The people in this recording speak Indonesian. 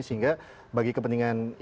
sehingga bagi kepentingan indonesia